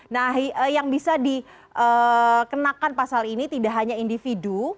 nah yang bisa dikenakan pasal ini tidak hanya individu